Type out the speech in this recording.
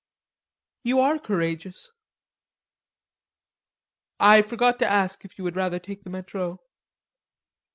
"You are courageous." "I forgot to ask you if you would rather take the Metro."